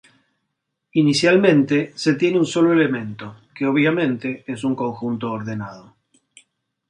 Inicialmente se tiene un solo elemento, que obviamente es un conjunto ordenado.